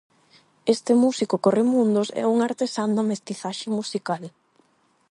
Este músico corremundos é un artesán da mestizaxe musical.